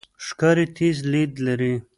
ښکاري تیز لید لري.